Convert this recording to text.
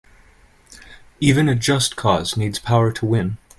Even a just cause needs power to win.